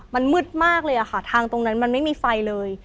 มันมืดมากเลยอะค่ะทางตรงนั้นมันไม่มีไฟเลย